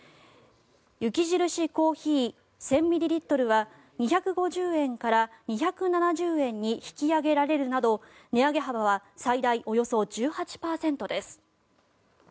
雪印コーヒー１０００ミリリットルは２５０円から２７０円に引き上げられるなど、値上げ幅は最大およそ１８％です。